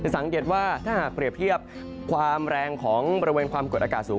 สังเกตว่าถ้าหากเปรียบเทียบความแรงของบริเวณความกดอากาศสูง